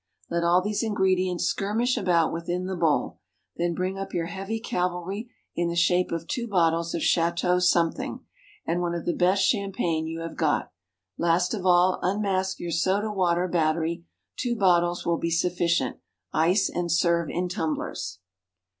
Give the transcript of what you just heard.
Let all these ingredients skirmish about within the bowl; then bring up your heavy cavalry in the shape of two bottles of Château something, and one of the best champagne you have got. Last of all, unmask your soda water battery; two bottles will be sufficient. Ice, and serve in tumblers.